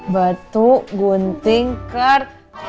batu gunting kartu